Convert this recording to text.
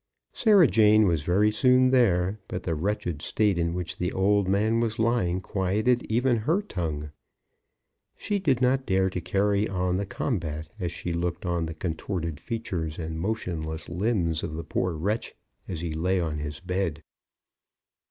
Sarah Jane was very soon there, but the wretched state in which the old man was lying quieted even her tongue. She did not dare to carry on the combat as she looked on the contorted features and motionless limbs of the poor wretch as he lay on his bed.